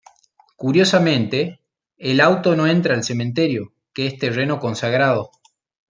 Curiosamente, el auto no entra al cementerio, que es terreno consagrado.